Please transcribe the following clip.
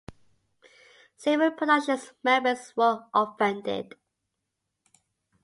Several production members were offended.